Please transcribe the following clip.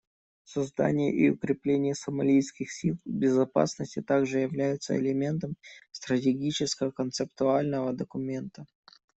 Создание и укрепление сомалийских сил безопасности также являются элементом стратегического концептуального документа.